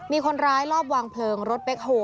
มีคนร้ายรอบวางเพลิงรถเบคโฮล